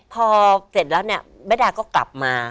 พอเสร็จแล้วเนี่ยแม่ดาก็กลับมา